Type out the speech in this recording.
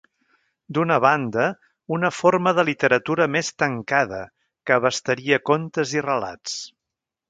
D'una banda, una forma de literatura més tancada que abastaria contes i relats.